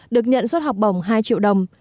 được nhận suất học bổng hai triệu đồng